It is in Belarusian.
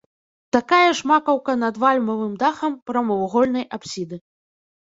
Такая ж макаўка над вальмавым дахам прамавугольнай апсіды.